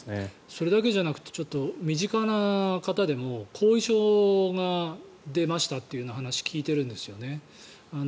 それだけじゃなくて身近な方でも後遺症が出ましたという話を聞いてるんですよね。